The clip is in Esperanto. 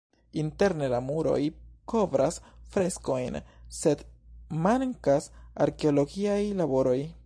Interne la muroj kovras freskojn, sed mankas arkeologiaj laboroj.